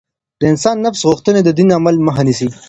د انسان نفس غوښتنې د دين د عمل مخه نيسي.